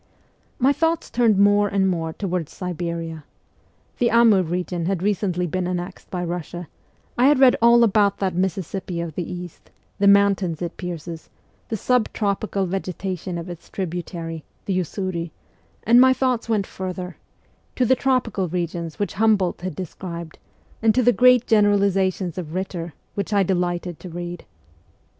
My thoughts turned more and more toward Siberia. The Amur region had recently been annexed by Eussia ; I had read all about that Mississippi of the East, the mountains it pierces, the sub tropical vegetation of its tributary, the Usuri, and my thoughts went further to the tropical regions which Humboldt had described, and to the great generalizations of Eitter, which I delighted to read.